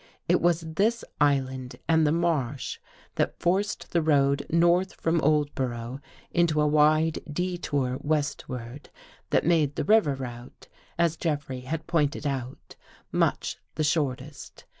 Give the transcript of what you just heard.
Jt was this island and the marsh that forced the road north from Oldborough Into a wide detour westward that made the river route, as Jeffrey had pointed out, much the shortest.